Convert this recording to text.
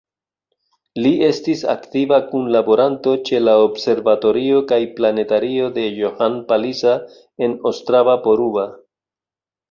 Li estis aktiva kunlaboranto ĉe la Observatorio kaj planetario de Johann Palisa en Ostrava-Poruba.